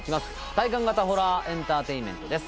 体感型ホラーエンターテインメントです